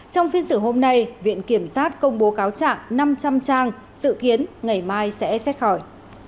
trong phiên xử hôm nay viện kiểm sát công bố cáo trạng năm trăm linh trang dự kiến ngày mai sẽ xét hỏi